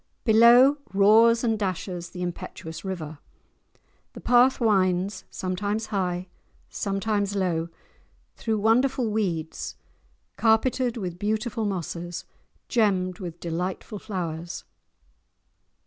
Below roars and dashes the impetuous river; the path winds, sometimes high, sometimes low, through wonderful weeds, carpeted with beautiful mosses, gemmed with delightful flowers.